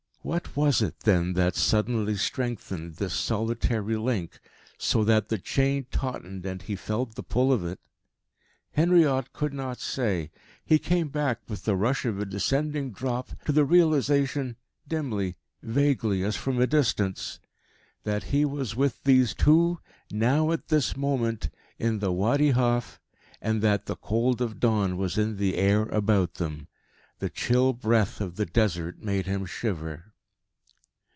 What was it, then, that suddenly strengthened this solitary link so that the chain tautened and he felt the pull of it? Henriot could not say. He came back with the rush of a descending drop to the realisation dimly, vaguely, as from great distance that he was with these two, now at this moment, in the Wadi Hof, and that the cold of dawn was in the air about him. The chill breath of the Desert made him shiver.